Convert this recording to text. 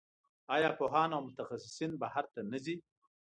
آیا پوهان او متخصصین بهر ته نه ځي؟